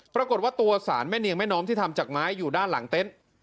ปรากฏว่าตัวสารแม่เนียงแม่น้อมที่ทำจากไม้อยู่ด้านหลังเต็นต์